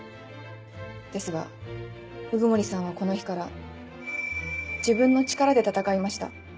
ですが鵜久森さんはこの日から自分の力で闘いました。